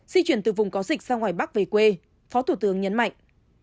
di chuyển từ vùng có dịch ra ngoài bắc về quê phó thủ tướng nhấn mạnh